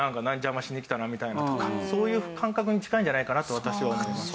そういう感覚に近いんじゃないかなと私は思います。